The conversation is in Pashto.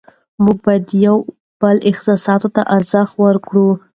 موږ باید د یو بل احساساتو ته ارزښت ورکړو